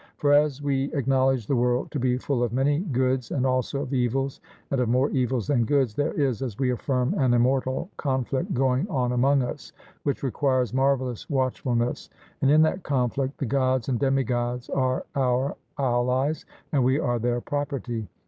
For as we acknowledge the world to be full of many goods and also of evils, and of more evils than goods, there is, as we affirm, an immortal conflict going on among us, which requires marvellous watchfulness; and in that conflict the Gods and demigods are our allies, and we are their property.